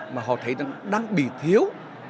mà họ thấy đang bị thiếu